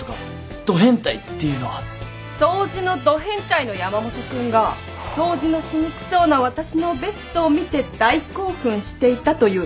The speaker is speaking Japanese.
掃除のど変態の山本君が掃除のしにくそうな私のベッドを見て大興奮していたという意味だけど？